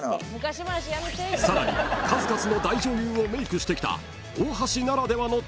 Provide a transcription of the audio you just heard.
［さらに数々の大女優をメイクしてきた］